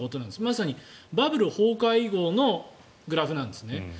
まさにバブル崩壊以後のグラフなんですね。